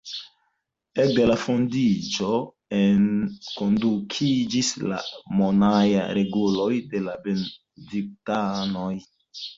Ekde la fondiĝo enkondukiĝis la monaĥaj reguloj de la benediktanoj.